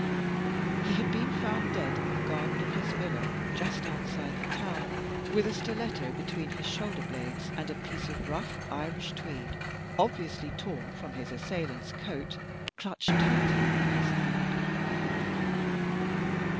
He had been found dead in the garden of his villa just outside the town, with a stiletto between his shoulder blades and a piece of rough Irish tweed, obviously torn from his assailant's coat, clutched tightly in his hand.